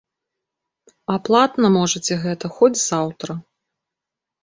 А платна можаце гэта хоць заўтра.